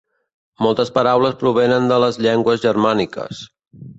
Moltes paraules provenen de les llengües germàniques.